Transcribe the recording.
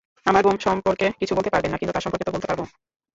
আমরা বোম সম্পর্কে কিছু বলতে পারব না কিন্তু তার সম্পর্কে তো বলতে পারব।